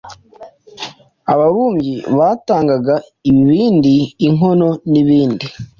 Ababumbyi batangaga ibibindi, inkono, n'ibindi.